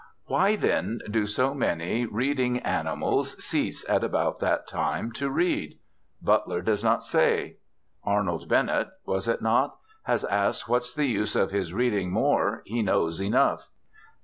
Why then do so many reading animals cease at about that time to read? Butler does not say. Arnold Bennett (was it not?) has asked what's the use of his reading more, he knows enough.